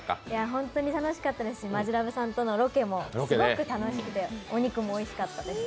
本当に楽しかったですし、マヂラブさんとのロケもすごく楽しくて、お肉もおいしかったです。